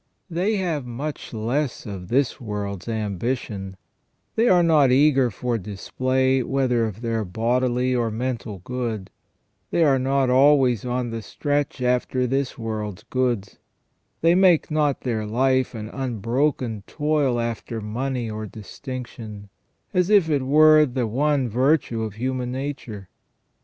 They have much less of this world's ambition ; they are not eager for display whether of their bodily or mental good ; they are not always on the stretch after this world's goods ; they make not their life an unbroken toil after money or distinction, as if this were the one virtue of human nature.